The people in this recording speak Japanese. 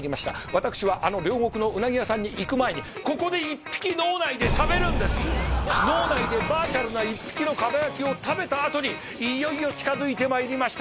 私はあの両国のうなぎ屋さんに行く前に脳内でバーチャルな１匹の蒲焼きを食べたあとにいよいよ近づいてまいりました